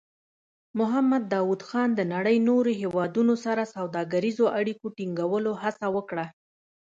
محمد داؤد خان د نړۍ نورو هېوادونو سره سوداګریزو اړیکو ټینګولو هڅه وکړه.